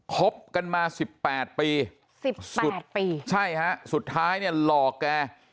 ครบกันมาสิบแปดปีสุดท้ายหลอกแก